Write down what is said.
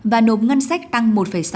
và nộp ngân sách tăng một sáu